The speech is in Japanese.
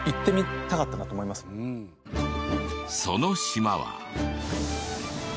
その島は。